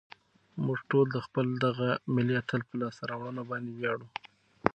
موږ ټول د خپل دغه ملي اتل په لاسته راوړنو باندې ویاړو.